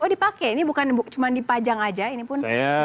oh dipakai ini bukan cuma dipajang aja ini pun